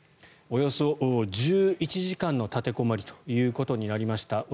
およそ１１時間の立てこもりということになりました。